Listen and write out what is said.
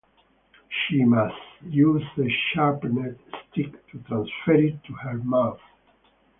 She must use a sharpened stick to transfer it to her mouth.